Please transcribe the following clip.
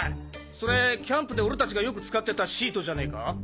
それキャンプで俺達がよく使ってたシートじゃねえか？